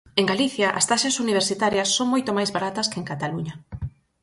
En Galicia as taxas universitarias son moito máis baratas que en Cataluña.